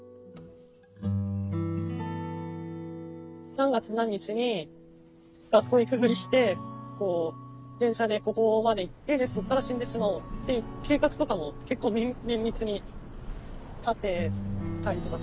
何月何日に学校行くふりして電車でここまで行ってでそっから死んでしまおうっていう計画とかも結構綿密に立てたりとかそういう感じですはい。